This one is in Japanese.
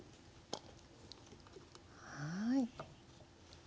はい。